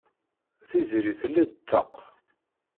Tiziri telli-d ṭṭaq.